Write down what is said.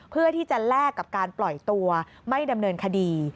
เพื่อที่จะแลกกับการปล่อยตัวไม่ดำเนินคดี